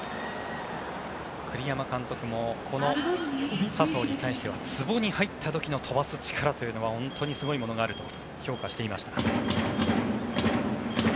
栗山監督もこの佐藤に対してはつぼに入った時の飛ばす力というのは本当にすごいものがあると評価していました。